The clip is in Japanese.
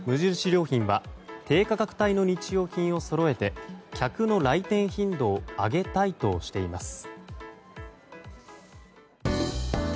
良品は低価格帯の日用品をそろえて客の来店頻度を上げたいとしています。